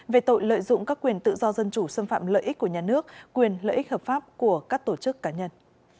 về tội lợi dụng các quyền tự do dân chủ xâm phạm lợi ích của nhà nước quyền lợi ích hợp pháp của các tổ chức cá nhân